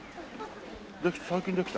最近できた？